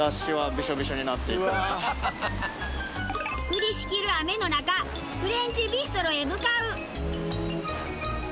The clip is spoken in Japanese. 降りしきる雨の中フレンチビストロへ向かう！